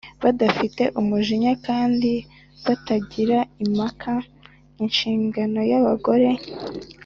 badafite umujinya kandi batagira impaka. Inshingano y’abagore